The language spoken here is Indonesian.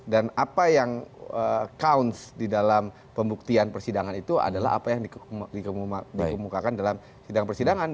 dan apa yang counts di dalam pembuktian persidangan itu adalah apa yang dikemukakan dalam sidang persidangan